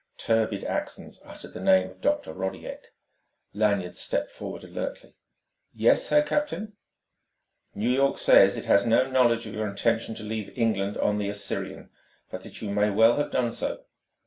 Turbid accents uttered the name of Dr. Rodiek. Lanyard stepped forward alertly. "Yes, Herr Captain?" "New York says it had no knowledge of your intention to leave England on the Assyrian, but that you may well have done so.